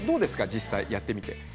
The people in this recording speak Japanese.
実際にやってみて。